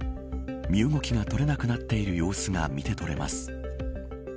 身動きが取れなくなっている様子が見て取れます。